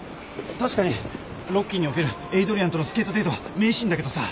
確かに『ロッキー』におけるエイドリアンとのスケートデートは名シーンだけどさ。